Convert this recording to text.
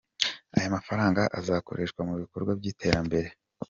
Aya mafaranga azakoreshwa mu bikorwa by’iterambere.